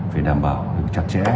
phải đảm bảo được chặt chẽ